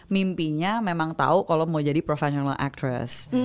mimpinya memang tau kalau mau jadi professional actress